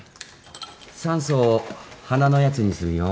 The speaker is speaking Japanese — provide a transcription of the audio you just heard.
酸素を鼻のやつにするよ